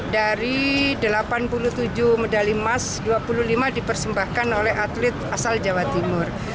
dari delapan puluh tujuh medali emas dua puluh lima dipersembahkan oleh atlet asal jawa timur